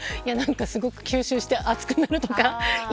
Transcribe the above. すごく吸収して熱くなるとか。